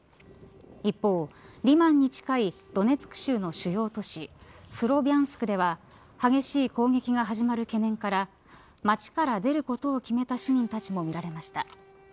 一方、リマンに近いドネツク州の主要都市スロビャンスクでは激しい攻撃が始まる懸念から街から出ることを決めた市民たちも見られました。